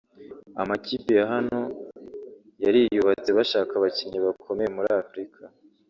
Amakipe ya hano yariyubatse bashaka abakinnyi bakomeye muri Afurika